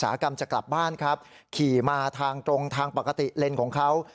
หกรรมจะกลับบ้านครับขี่มาทางตรงทางปกติเลนของเขา